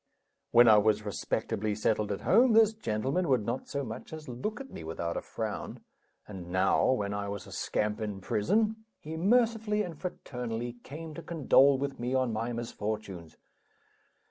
When I was respectably settled at home, this gentleman would not so much as look at me without a frown; and now, when I was a scamp, in prison, he mercifully and fraternally came to condole with me on my misfortunes.